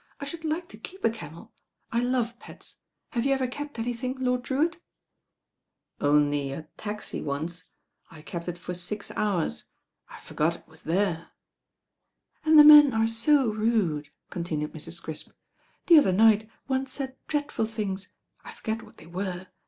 I should like to keep a camel. I love pets. Have you ever kept anything. Lord Drewitt?" "Only a taxi once. I kept it for six hours. I for got it was there " "And the men are so rude," continued Mrs. Crisp. "The other night one said dreadful things. I forget what they were.